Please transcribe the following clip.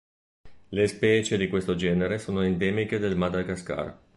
Le specie di questo genere sono endemiche del Madagascar.